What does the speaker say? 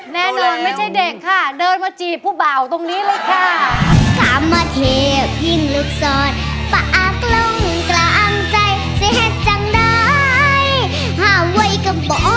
ไม่ใช่เด็กค่ะเดินมาจีบผู้เบาตรงนี้เลยค่ะ